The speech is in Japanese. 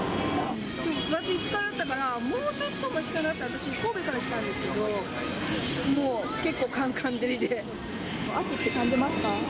９月５日だったから、もうちょっとましかなって、私、神戸から来たんですけど、秋って感じますか？